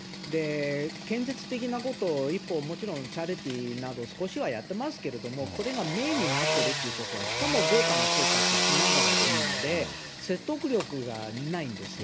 建設的なことをもちろんチャリティーなど、少しはやってますけれども、これがメインになってるということは、しかも豪華な生活しながらですので、説得力がないんですよ。